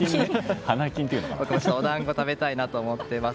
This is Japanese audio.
お団子食べたいなと思ってます。